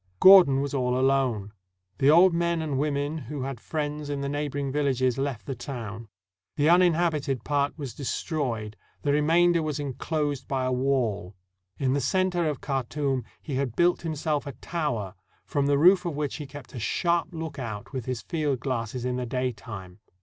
Gordon was all alone. The old men and women who had friends in the neighboring villages left the town. The uninhabited part was destroyed, the remainder was inclosed by a wall. In the center of Khartoum he had built himself a tower, from the roof of which he kept a sharp lookout with his field glass in the daytime.